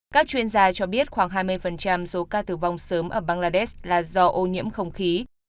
các chuyên gia cho biết khoảng hai mươi số ca tử vong sớm ở bangladesh là do ô nhiễm không khí